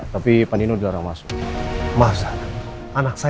tapi pandino dilarang masuk